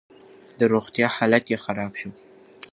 د روغتيا حالت يې خراب شو.